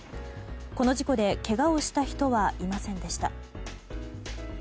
この事故でけがをした人はいませんでした。